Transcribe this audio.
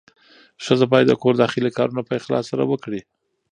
ښځه باید د کور داخلي کارونه په اخلاص سره وکړي.